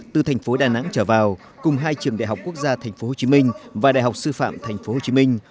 từ thành phố đà nẵng trở vào cùng hai trường đại học quốc gia thành phố hồ chí minh và đại học sư phạm thành phố hồ chí minh